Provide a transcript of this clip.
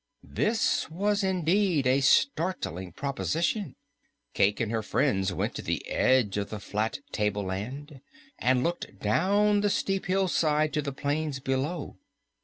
This was indeed a startling proposition. Cayke and her friends went to the edge of the flat tableland and looked down the steep hillside to the plains below.